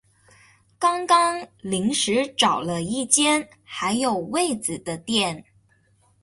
刚刚临时找了一间还有位子的店